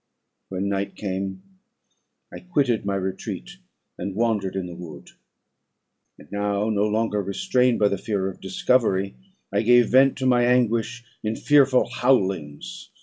"When night came, I quitted my retreat, and wandered in the wood; and now, no longer restrained by the fear of discovery, I gave vent to my anguish in fearful howlings.